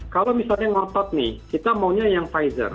kalau misalnya ngotot nih kita maunya yang pfizer